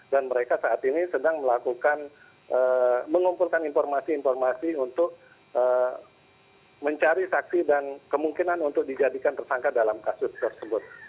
dan mereka saat ini sedang melakukan mengumpulkan informasi informasi untuk mencari saksi dan kemungkinan untuk dijadikan tersangka dalam kasus tersebut